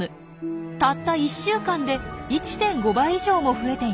たった１週間で１．５倍以上も増えています。